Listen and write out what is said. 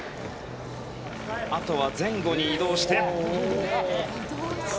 あとは前後に移動して。